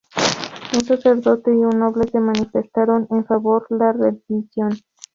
Un sacerdote y un noble se manifestaron en favor la rendición.